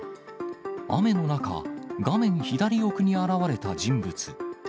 雨の中、画面左奥に現れた人物。